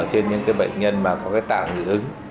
trên những cái bệnh nhân mà có cái tạng dị ứng